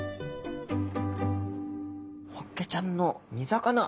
ホッケちゃんの煮魚。